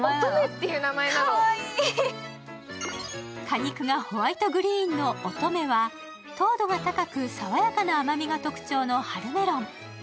果肉がホワイトグリーンのオトメは、糖度が高く爽やかな甘みが特徴の春メロン。